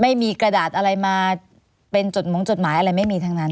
ไม่มีกระดาษอะไรมาเป็นจดหมงจดหมายอะไรไม่มีทั้งนั้น